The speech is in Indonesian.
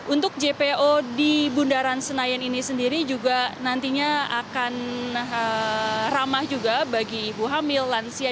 untuk jpo di bundaran senayan ini sendiri juga nantinya akan ramah juga bagi ibu hamil lansia